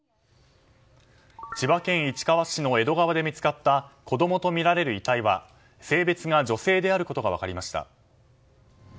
千葉県市川市の江戸川で見つかった子供とみられる遺体は性別が女性であることが分かりました。